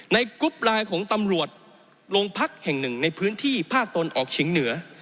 กรุ๊ปไลน์ของตำรวจโรงพักแห่งหนึ่งในพื้นที่ภาคตะวันออกเฉียงเหนือ